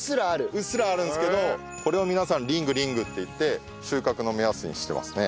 うっすらあるんですけどこれを皆さんリングリングって言って収穫の目安にしてますね。